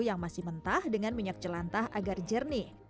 yang masih mentah dengan minyak jelantah agar jernih